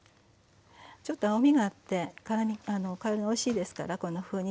ちょっと青みがあって辛み貝割れ菜おいしいですからこんなふうに。